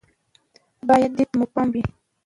بايد دې ته مو پام وي